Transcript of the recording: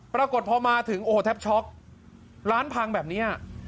ปรากฏพอมาถึงโอ้โหแทบช็อกร้านพังแบบนี้